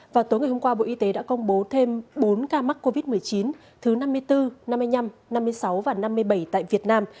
vào tối ngày hôm qua bộ y tế đã công bố thêm bốn ca mắc covid một mươi chín thứ năm mươi bốn năm mươi năm năm mươi sáu và năm mươi bảy tại việt nam